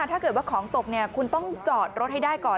ถ้าเกิดว่าของตกคุณต้องจอดรถให้ได้ก่อน